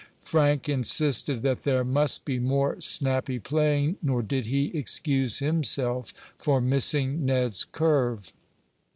Frank insisted that there must be more snappy playing, nor did he excuse himself for missing Ned's curve.